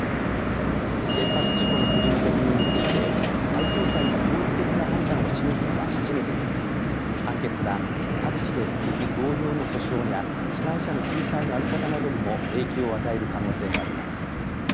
原発事故の国の責任について最高裁が統一的な判断を示すのは初めてで判決は各地で続く同様の訴訟や被害者の救済の在り方などにも影響を与える可能性があります。